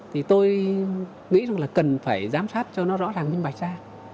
thì tôi nghĩ rằng là cần phải giám sát cho nó rõ ràng minh bạch ra